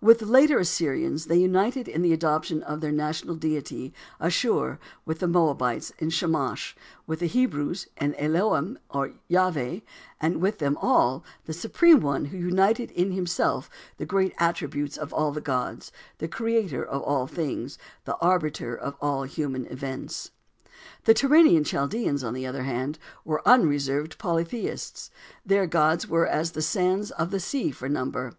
With the later Assyrians, they united in the adoption of their national deity, Asshur; with the Moabites, in Chemosh; with the Hebrews, in Elohim, or Yahveh; and with them all, the Supreme One who united in Himself the great attributes of all the gods, the Creator of all things, the Arbiter of all human events. The Turanian Chaldeans, on the other hand, were unreserved polytheists. Their gods were as the sands of the sea for number.